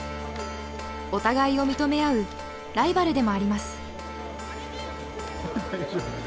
お互いを認め合うライバルでもあります。